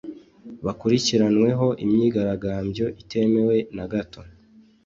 bakurikiranyweho imyigaragambyo itemewe nagato